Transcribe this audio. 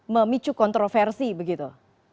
memicu kontroversi begitu